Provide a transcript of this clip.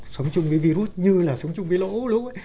sống chung với virus như là sống chung với lỗ lúc ấy